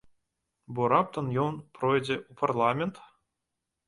Бо раптам ён пройдзе ў парламент?